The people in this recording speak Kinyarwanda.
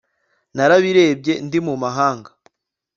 Narabirebye ndi mu mahanga